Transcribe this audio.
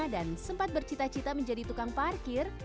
dan sempat bercita cita menjadi tukang parkir